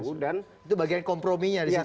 itu bagian komprominya di situ ya mas